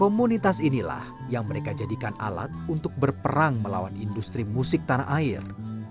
komunitas inilah yang mereka jadikan alat untuk berperang melawan industri musik tanah air